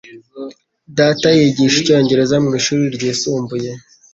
Data yigisha icyongereza mwishuri ryisumbuye.